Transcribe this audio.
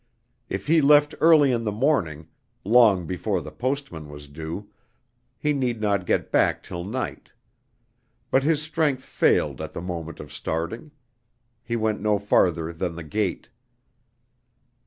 If he left early in the morning long before the postman was due he need not get back till night. But his strength failed at the moment of starting. He went no farther than the gate.